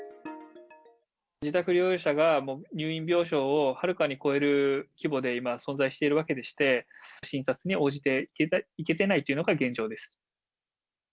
自宅療養者が、入院病床をはるかに超える規模で、今、存在しているわけでして、診察に応じていけてないというのが現状です。